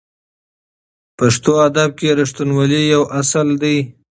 پښتو ادب کې رښتینولي یو اصل دی.